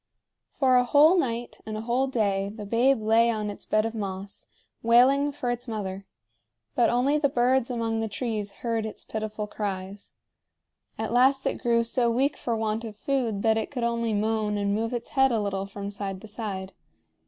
For a whole night and a whole day the babe lay on its bed of moss, wailing for its mother; but only the birds among the trees heard its pitiful cries. At last it grew so weak for want of food that it could only moan and move its head a little from side to side.